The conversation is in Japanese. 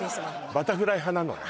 バタフライ派なのね